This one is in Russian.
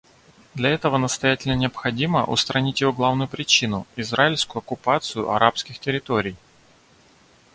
Для этого настоятельно необходимо устранить его главную причину — израильскую оккупацию арабских территорий.